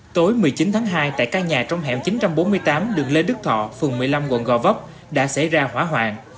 tối một mươi chín tháng hai tại căn nhà trong hẻm chín trăm bốn mươi tám đường lê đức thọ phường một mươi năm quận gò vấp đã xảy ra hỏa hoạn